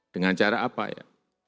dengan cara apa ya